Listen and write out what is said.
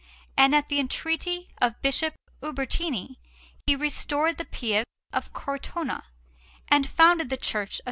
And at the entreaty of Bishop Ubertini he restored the Pieve of Cortona, and founded the Church of S.